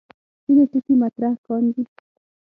ځینې ټکي مطرح کاندي.